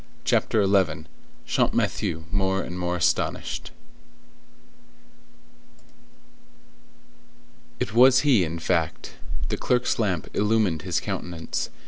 CHAPTER XI—CHAMPMATHIEU MORE AND MORE ASTONISHED It was he, in fact. The clerk's lamp illumined his countenance.